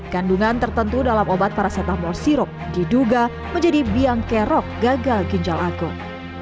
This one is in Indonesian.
kandungan tertentu dalam obat paracetamol sirop diduga menjadi biangkerok gagal ginjal akut